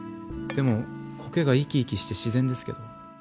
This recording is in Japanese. でも苔が生き生きして自然ですけど。